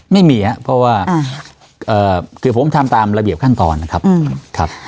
ไม่มีอะเพราะว่าเอ่อคือผมทำตามระเบียบขั้นตอนนะครับอืมครับ